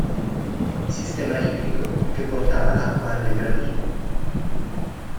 Sistema idrico che portava l'acqua alle Gravine.